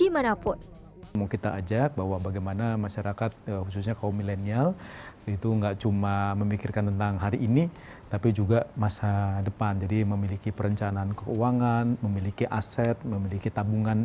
maksudnya kalau millenial itu gak cuma memikirkan tentang hari ini tapi juga masa depan jadi memiliki perencanaan keuangan memiliki aset memiliki tabungan